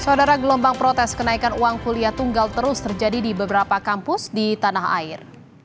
saudara gelombang protes kenaikan uang kuliah tunggal terus terjadi di beberapa kampus di tanah air